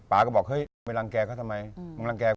ปาก็บอกเฮ้ยไม่รังแก่เค้าทำไมมึงรังแก่หว่า